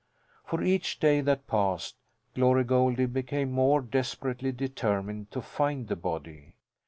For each day that passed Glory Goldie became more desperately determined to find the body.